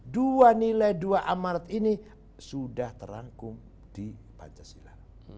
dua nilai dua amarat ini sudah terangkum di pancasila